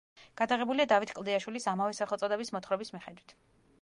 გადაღებულია დავით კლდიაშვილის ამავე სახელწოდების მოთხრობის მიხედვით.